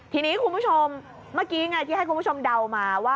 ทีนี้คุณผู้ชมเมื่อกี้ไงที่ให้คุณผู้ชมเดามาว่า